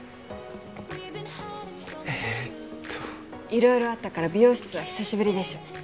えっと色々あったから美容室は久しぶりでしょ